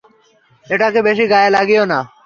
এটাকে বেশি গায়ে লাগিয়ো না।